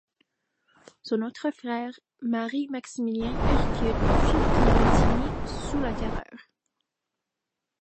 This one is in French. Son autre frère Marie Maximilien Hercule fut guillotiné sous la Terreur.